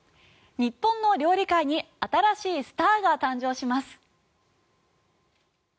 日本の料理界に新しいスターが誕生します。